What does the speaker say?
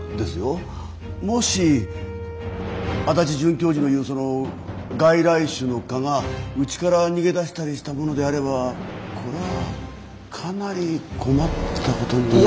もし足立准教授の言うその外来種の蚊がうちから逃げ出したりしたものであればこれはかなり困ったことに。